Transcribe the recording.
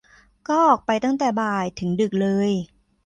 ก็ออกไปตั้งแต่บ่ายถึงดึกเลย